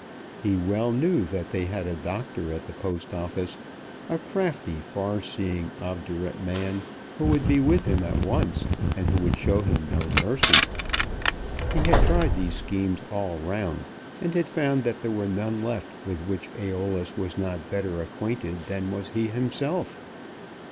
He well knew that they had a doctor at the Post Office, a crafty, far seeing, obdurate man, who would be with him at once and would show him no mercy. He had tried these schemes all round, and had found that there were none left with which Æolus was not better acquainted than was he himself.